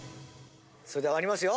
それでは割りますよ。